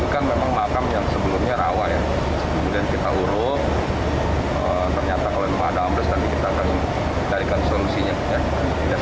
gunung makamnya sebelumnya rawa yang kemudian kita huruf pada também rariked solusinya